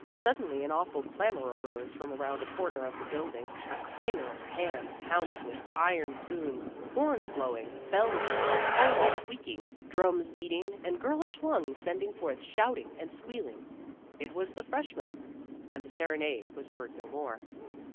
Suddenly an awful clamor arose from around a corner of the building a clangor of pans pounded with iron spoons, horns blowing, bells ringing, combs squeaking, drums beating, and girlish lungs sending forth shouting and squealing. It was the freshmen ! And the serenade was heard no more.